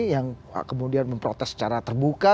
yang kemudian memprotes secara terbuka